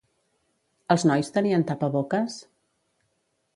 Els nois tenien tapaboques?